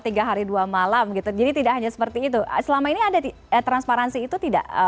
tiga hari dua malam gitu jadi tidak hanya seperti itu selama ini ada transparansi itu tidak